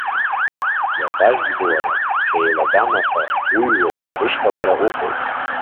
Иабажәго, уара, шәеилагама ҳәа уҩуа унарышьҭалара уҟоуп!